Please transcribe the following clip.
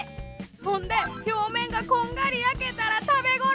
ほんで表面がこんがり焼けたら食べ頃。